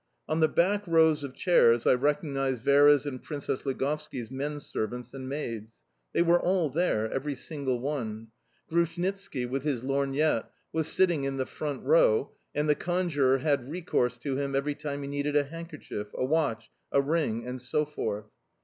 On the back rows of chairs I recognized Vera's and Princess Ligovski's menservants and maids. They were all there, every single one. Grushnitski, with his lorgnette, was sitting in the front row, and the conjurer had recourse to him every time he needed a handkerchief, a watch, a ring and so forth.